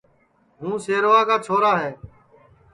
ہوں شیروا کا چھورا ہے